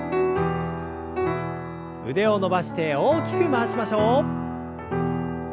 腕を伸ばして大きく回しましょう。